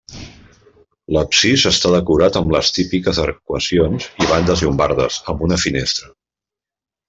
L'absis està decorat amb les típiques arcuacions i bandes llombardes, amb una finestra.